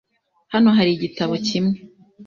Hano hari igitabo kimwe .